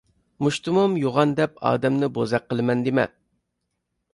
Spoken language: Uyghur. مۇشتۇمۇم يوغان دەپ ئادەمنى بوزەك قىلىمەن دېمە!